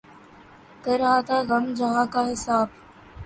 کر رہا تھا غم جہاں کا حساب